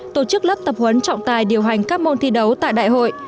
tổ chức lớp tập huấn trọng tài điều hành các môn thi đấu tại đại hội